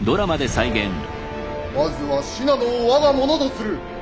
まずは信濃を我が物とする。